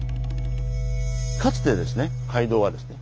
かつてですね街道はですね